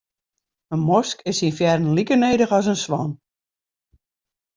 In mosk is syn fearen like nedich as in swan.